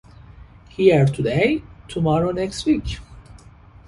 Here Today, Tomorrow Next Week!